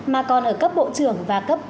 mà còn ở cấp bộ trưởng